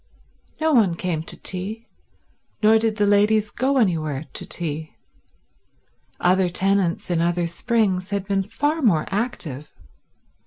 No one came to tea, nor did the ladies go anywhere to tea. Other tenants in other springs had been far more active.